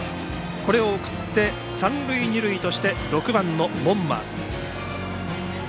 これを送って三塁二塁として６番の門間。